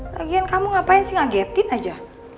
lagian kamu ngapain sih ngagetin aja